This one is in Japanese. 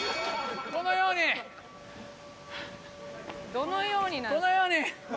どのようになんですか？